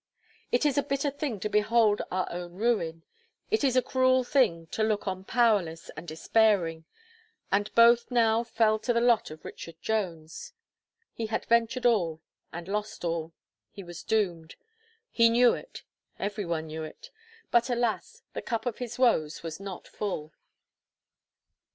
It is a bitter thing to behold our own ruin; it is a cruel thing to look on powerless and despairing; and both now fell to the lot of Richard Jones. He had ventured all, and lost all. He was doomed he knew it; every one knew it. But, alas! the cup of his woes was not full.